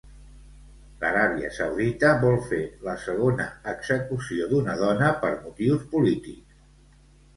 L'Aràbia Saudita vol fer la segona execució d'una dona per motius polítics.